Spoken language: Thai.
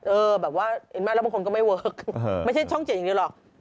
เออแบบว่าแล้วบางคนก็ไม่เวิร์คไม่ใช่ช่องเจ็ดอย่างนี้หรอก